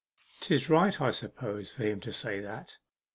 ''Tis right, I suppose, for him to say that.